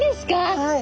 はい。